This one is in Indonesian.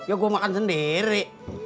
ya gue makan sendiri